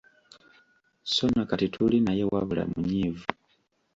So na kati tuli naye wabula munyiivu.